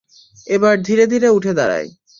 এবার ধীরে ধীরে উঠে দাঁড়ায়।